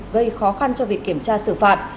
gây khó khăn cho việc kiểm tra xử phạt